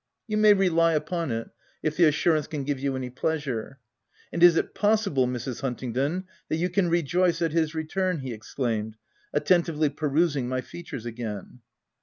"You may rely upon it — if the assurance can give you any pleasure. — And is it possible, Mrs. Huntingdon, that you can rejoice at his return?" he exclaimed, attentively perusing my features again.